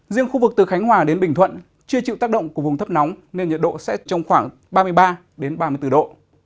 riêng khu vực từ khánh hòa đến bình thuận chưa chịu tác động của vùng thấp nóng nên nhiệt độ sẽ trong khoảng ba mươi ba đến ba mươi bốn độ